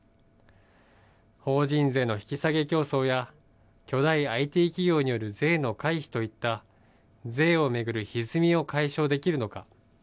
法人税の引き下げ競争や巨大ＩＴ企業による税の回避といった税を巡るひずみを解消できるのか。